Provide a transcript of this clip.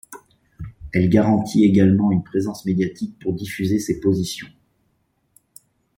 Elle garantit également une présence médiatique pour diffuser ses positions.